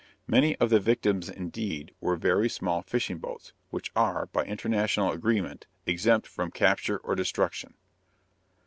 Many of the victims, indeed, were very small fishing boats, which are, by international agreement, exempt from capture or destruction.